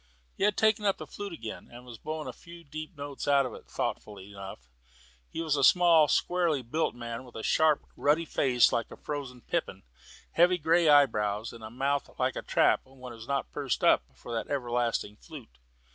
He had taken up the flute again, and was blowing a few deep notes out of it, thoughtfully enough. He was a small, squarely built man, with a sharp ruddy face like a frozen pippin, heavy grey eyebrows, and a mouth like a trap when it was not pursed up for that everlasting flute.